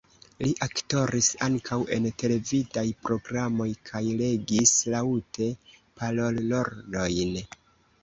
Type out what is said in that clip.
Li aktoris ankaŭ en televidaj programoj kaj legis laŭte parolrolojn.